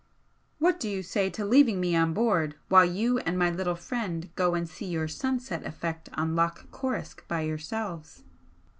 "What do you say to leaving me on board while you and my little friend go and see your sunset effect on Loch Coruisk by yourselves?"